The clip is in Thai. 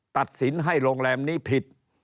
ตัดสินให้โรงแรมนี้ผิด